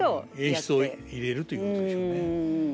演出を入れるということでしょうね。